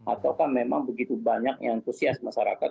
ataukah memang begitu banyak yang antusias masyarakat